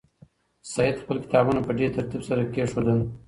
سعید خپل کتابونه په ډېر ترتیب سره کېښودل.